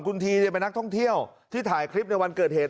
คุณทีเป็นนักท่องเที่ยวที่ถ่ายคลิปในวันเกิดเหตุ